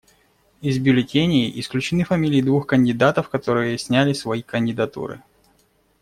Из бюллетеней исключены фамилии двух кандидатов, которые сняли свои кандидатуры.